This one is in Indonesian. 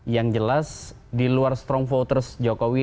yang jelas di luar strong voters jokowi